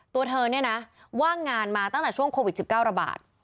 ตัวเธอเนี่ยนะว่างงานมาตั้งแต่ช่วงโควิด๑๙ระบาด